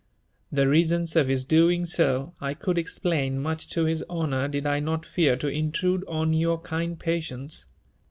The reasons of his doing so, I could explain much to his honour did I not fear to intrude on your kind patience.